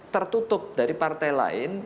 tertutup dari partai lain